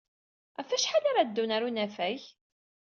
Ɣef wacḥal ara ddun ɣer unafag?